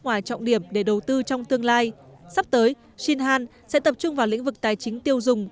ngoài trọng điểm để đầu tư trong tương lai sắp tới sinh han sẽ tập trung vào lĩnh vực tài chính tiêu dùng